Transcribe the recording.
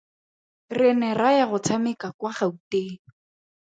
Re ne ra ya go tshameka kwa Gauteng.